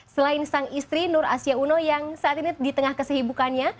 selain sang istri nur asia uno yang saat ini di tengah kesihibukannya